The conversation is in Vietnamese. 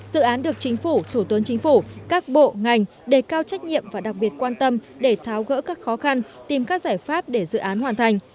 dự án được chính phủ thủ tướng chính phủ các bộ ngành đề cao trách nhiệm và đặc biệt quan tâm để tháo gỡ các khó khăn tìm các giải pháp để dự án hoàn thành